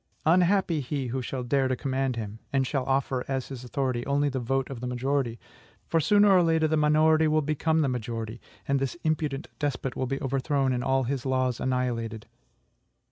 Unhappy he who shall dare to command him, and shall offer, as his authority, only the vote of the majority; for, sooner or later, the minority will become the majority, and this imprudent despot will be overthrown, and all his laws annihilated.